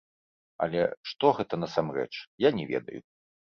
Але што гэта, насамрэч, я не ведаю.